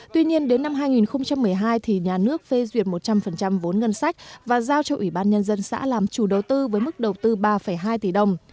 tuy nhiên đến năm hai nghìn một mươi hai thì nhà nước phê duyệt một trăm linh vốn ngân sách và giao cho ủy ban nhân dân xã làm chủ đầu tư với mức đầu tư ba hai tỷ đồng